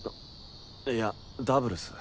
いやダブルス。